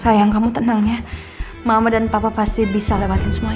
sayang kamu tenang ya mama dan papa pasti bisa lewatin semuanya